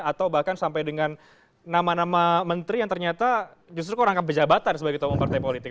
atau bahkan sampai dengan nama nama menteri yang ternyata justru kurang kebejabatan sebagai topong partai politik